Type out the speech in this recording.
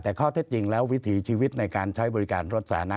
แต่ข้อเท็จจริงแล้ววิถีชีวิตในการใช้บริการรถสาธารณะ